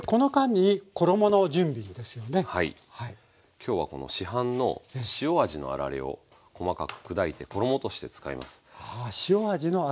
今日はこの市販の塩味のあられを細かく砕いて衣として使います。